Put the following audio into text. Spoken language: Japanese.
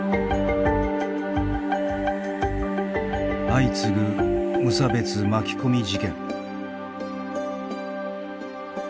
相次ぐ無差別巻き込み事件。